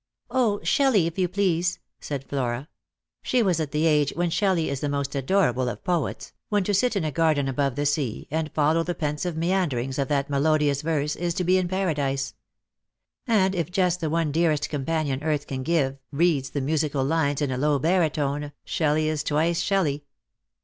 " 0, Shelley, if you please," said Flora. She was at the age when Shelley is the most adorable of poets, when to sit in a garden above the sea, and follow the pensive meanderings of that melodious verse, is to be in paradise. And if just the one dearest companion earth can give reads the musical lines in a low baritone, Shelley is twice Shelley.